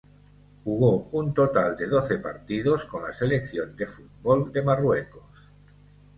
Jugó un total de doce partidos con la selección de fútbol de Marruecos.